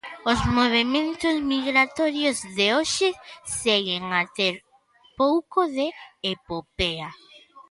Os movementos migratorios de hoxe seguen a ter pouco de epopea.